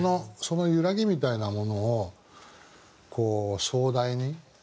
その揺らぎみたいなものをこう壮大に。